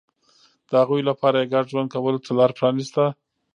د هغوی لپاره یې ګډ ژوند کولو ته لار پرانېسته